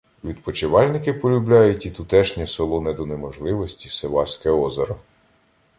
Відпочивальники полюбляють і тутешнє солоне до неможливості «Сиваське озеро»